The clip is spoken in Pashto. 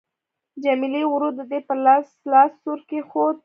جميله ورو د دې پر لاس لاس ورکښېښود.